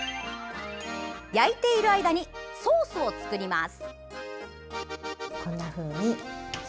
焼いている間にソースを作ります。